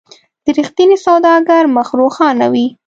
د رښتیني سوداګر مخ روښانه وي.